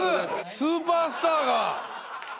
スーパースターが。